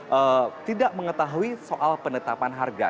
yang tidak mengetahui soal penetapan harga